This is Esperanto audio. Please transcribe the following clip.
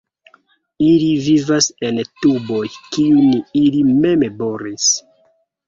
Ili vivas en tuboj, kiujn ili mem boris.